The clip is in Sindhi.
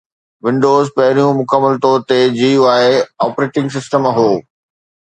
ونڊوز پهريون مڪمل طور تي GUI آپريٽنگ سسٽم هو